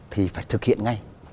thì phải thực hiện ngay